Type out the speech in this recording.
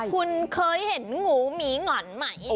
คุณเคยเห็นงูหมีหง่อนไหม